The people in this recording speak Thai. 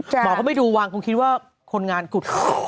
หมอก็ไม่ดูวางคงคิดว่าคนงานกุด